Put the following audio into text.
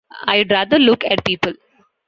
I’d rather look at people.